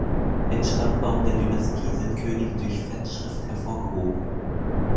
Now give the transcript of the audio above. Im Stammbaum der Dynastie sind Könige durch Fettschrift hervorgehoben.